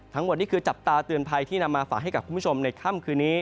ทั้งหมดนี้คือจับตาเตือนภัยที่นำมาฝากให้กับคุณผู้ชมในค่ำคืนนี้